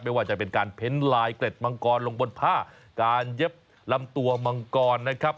ไม่ว่าจะเป็นการเพ้นลายเกร็ดมังกรลงบนผ้าการเย็บลำตัวมังกรนะครับ